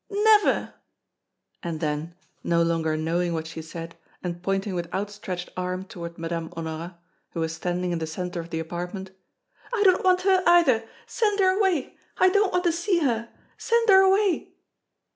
never!" And then, no longer knowing what she said, and pointing with outstretched arm toward Madame Honorat, who was standing in the center of the apartment: "I do not want her either! send her away! I don't want to see her! send her away!"